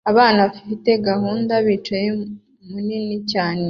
Abantu bafite gahunda bicaye munini cyane